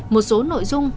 một số nội dung